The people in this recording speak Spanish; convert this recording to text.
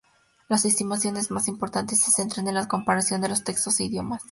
Las estimaciones más importantes se centran en la comparación de los textos en idiomas.